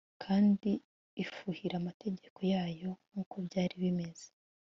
kandi ifuhira amategeko yayo nkuko byari bimeze